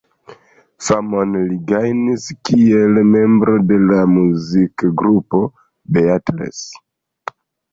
Famon li gajnis kiel membro de la muzikgrupo Beatles.